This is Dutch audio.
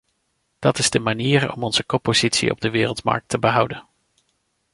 Dat is de manier om onze koppositie op de wereldmarkt te behouden.